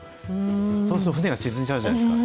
そうすると、船が沈んじゃうじゃないですか。